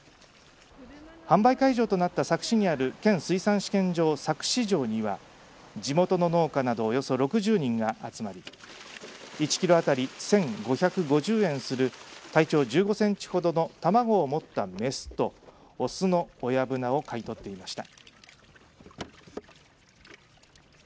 販売会場となった佐久市にある県水産試験場佐久支場には地元の農家などおよそ６０人が集まり１キロ当たり１５５０円する体長１５センチほどの卵を持った雌と雄の親ぶなを買い取っていました。